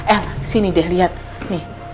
eh sini deh lihat nih